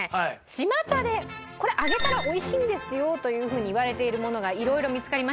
ちまたでこれ揚げたら美味しいんですよというふうにいわれているものが色々見つかりましたので。